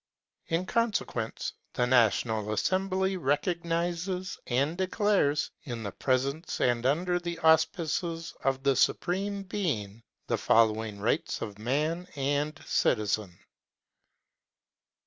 In consequence, the National Assembly recognizes and de clares, in the presence and under the auspices of the Supreme Being, the following rights of man and citizen.